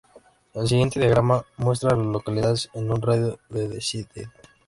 El siguiente diagrama muestra a las localidades en un radio de de Linden.